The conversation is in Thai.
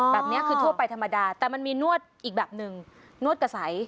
แบบนี้คือทั่วไปธรรมดาแต่มันมีนวดอีกแบบหนึ่งนวดกระใส